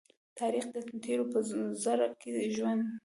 تاریخ د تېرو په زړه کې ژوند کوي.